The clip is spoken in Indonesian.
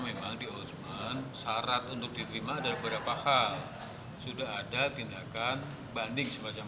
memang di osman syarat untuk diterima ada beberapa hal sudah ada tindakan banding semacam